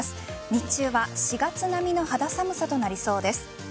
日中は４月並みの肌寒さとなりそうです。